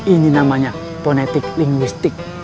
ini namanya ponetik linguistik